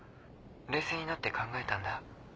冷静になって考えたんだ。